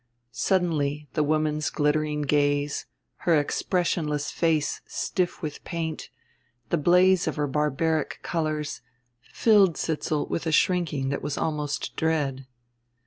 Suddenly the woman's glittering gaze, her expressionless face stiff with paint, the blaze of her barbaric colors, filled Sidsall with a shrinking that was almost dread.